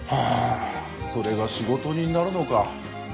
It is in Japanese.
あそれが仕事になるのか。